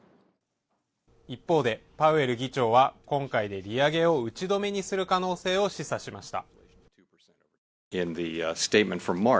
一方で、パウエル議長は今回で利上げを打ち止めにする可能性を示唆しました。